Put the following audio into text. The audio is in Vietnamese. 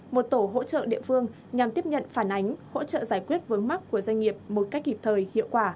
một tổ hỗ trợ địa phương nhằm tiếp nhận phản ánh hỗ trợ giải quyết vướng mắc của doanh nghiệp một cách kịp thời hiệu quả